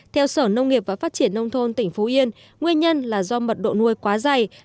theo sở nông nghiệp và phát triển nông thôn tỉnh phú yên nguyên nhân là do mật độ nuôi quá dày